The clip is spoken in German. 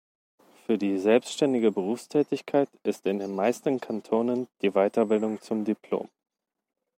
Für die selbständige Berufstätigkeit ist in den meisten Kantonen die Weiterbildung zum dipl.